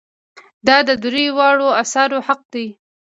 دا د دریو واړو آثارو حق دی.